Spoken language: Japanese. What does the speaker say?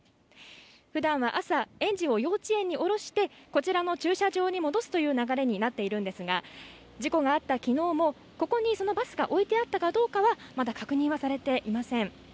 ふだん朝、園児を幼稚園に降ろしてこちらの駐車場に戻すという流れになっているんですが、事故があった昨日もここにそのバスが置いてあったかどうかはまだ確認はされていません。